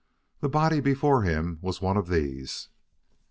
The body before him was one of these.